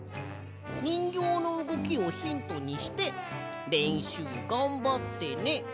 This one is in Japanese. にんぎょうのうごきをヒントにしてれんしゅうがんばってね。